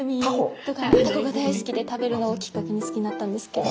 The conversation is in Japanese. ⁉たこが大好きで食べるのをきっかけに好きになったんですけど。